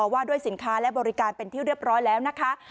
ว่าด้วยสินค้าและบริการเป็นที่เรียบร้อยแล้วนะคะ